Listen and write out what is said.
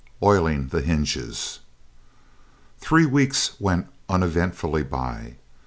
OILING THE HINGES Three weeks went uneventfully by.